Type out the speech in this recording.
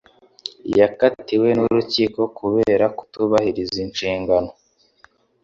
Yakatiwe n'urukiko kubera kutubahiriza inshingano.